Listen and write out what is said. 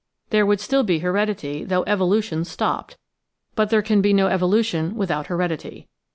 There would still be heredity though evolution stopped ; but there can be no evolution without heredity.